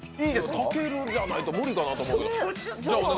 たけるじゃないと無理かなと思うけど。